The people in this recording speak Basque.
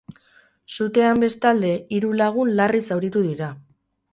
Sutean, bestalde, hiru lagun larri zauritu dira.